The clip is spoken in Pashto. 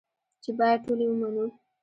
چې بايد ټول يې ومنو.